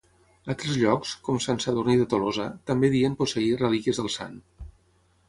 Altres llocs, com Sant Sadurní de Tolosa, també deien posseir relíquies del sant.